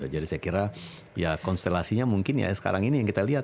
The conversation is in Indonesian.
jadi saya kira ya konstelasinya mungkin ya sekarang ini yang kita lihat